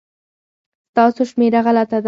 ستاسو شمېره غلطه ده